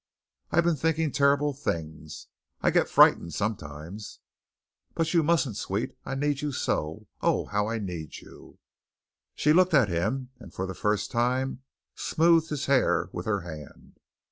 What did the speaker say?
"I've been thinking terrible things. I get frightened sometimes." "But you mustn't, sweet, I need you so. Oh, how I need you." She looked at him, and for the first time smoothed his hair with her hand.